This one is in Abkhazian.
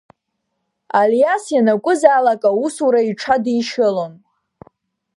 Алиас ианакәызаалак аусура иҽадишьылон.